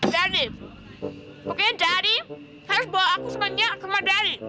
jadi pokoknya jadi harus bawa aku sama dia sama dari